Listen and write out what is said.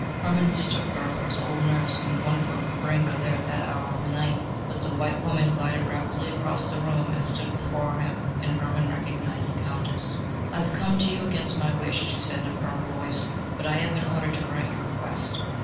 Hermann mistook her for his old nurse, and wondered what could bring her there at that hour of the night. But the white woman glided rapidly across the room and stood before him and Hermann recognised the Countess! "I have come to you against my wish," she said in a firm voice: "but I have been ordered to grant your request.